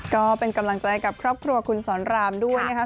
ก็เป็นกำลังใจกับครอบครัวคุณสอนรามด้วยนะครับ